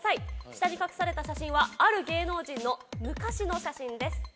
下に隠された写真はある芸能人の昔の写真です。